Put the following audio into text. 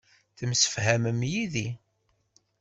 Temsefhamem yid-i.